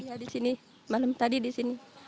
ya di sini malam tadi di sini